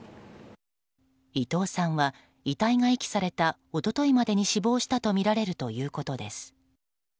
伊藤さんは遺体が遺棄された一昨日までに死亡したとみられるということです。